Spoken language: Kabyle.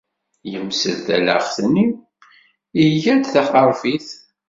Yemsel talaɣt-nni, iga-d taqerfit.